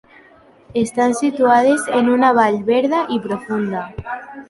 Estan situades en una vall verda i profunda.